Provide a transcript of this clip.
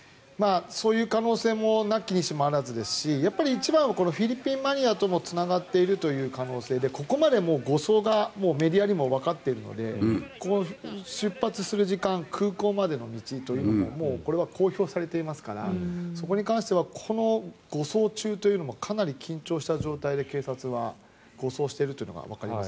そういう可能性もなきにしもあらずですしやっぱり一番はフィリピンマフィアともつながっているという可能性でここまで護送がメディアでもわかっているので出発する時間空港までの道というのはこれは公表されていますのでそこに関してはこの護送中というのもかなり緊張した状態で警察は護送しているのがわかります。